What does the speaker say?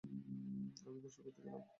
আমি গোসল করতে গেলাম।